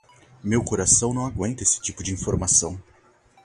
Meu coração não aguenta este tipo de informação.